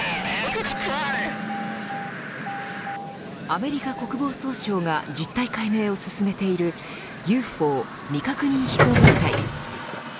アメリカ国防総省が実態解明を進めているＵＦＯ未確認飛行物体。